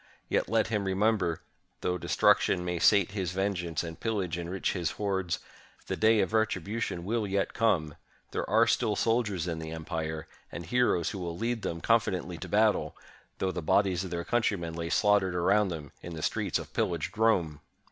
Yet let him remember, though destruction may sate his vengeance and pillage enrich his hoards, the day of retribution will yet come. There are still soldiers in the empire, and heroes who will lead them confidently to battle, though the bodies 536 ROME PAYS RANSOM TO ALARIC THE GOTH of their countrymen lie slaughtered around them in the streets of pillaged Rome!"